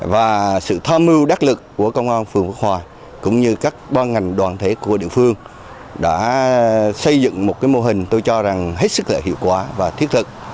và sự tham mưu đắc lực của công an phường quốc hòa cũng như các ban ngành đoàn thể của địa phương đã xây dựng một mô hình tôi cho rằng hết sức hiệu quả và thiết thực